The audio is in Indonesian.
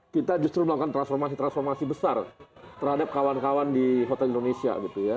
kita justru melakukan transformasi transformasi besar terhadap kawan kawan di hotel indonesia gitu ya